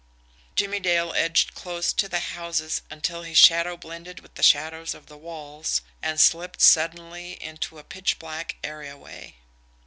Jimmie Dale edged close to the houses until his shadow blended with the shadows of the walls and slipped suddenly into a pitch black areaway.